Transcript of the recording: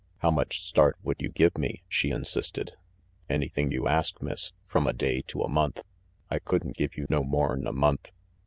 "How much start would you give me?" she insisted. "Anythin' you ask, Miss, from a day to a month. I could 'n give you no more'n a month."